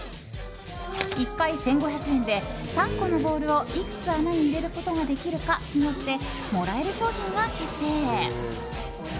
１回１５００円で３個のボールをいくつ穴に入れることができるかによってもらえる賞品が決定。